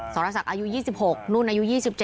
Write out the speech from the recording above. สรษักอายุ๒๖นู่นอายุ๒๗